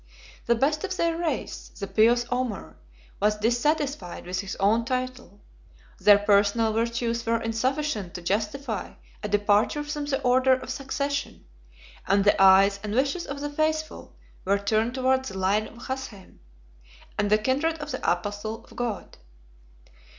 The best of their race, the pious Omar, was dissatisfied with his own title: their personal virtues were insufficient to justify a departure from the order of succession; and the eyes and wishes of the faithful were turned towards the line of Hashem, and the kindred of the apostle of God.